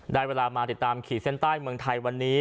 ได้เวลามาติดตามขีดเส้นใต้เมืองไทยวันนี้